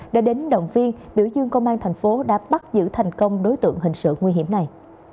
đã đến động viên biểu dương công an thành phố đã bắt giữ thành công đối tượng hình sự nguy hiểm này